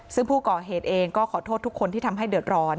ซึ่งผู้ก่อเหตุเองก็ขอโทษทุกคนที่ทำให้เดือดร้อน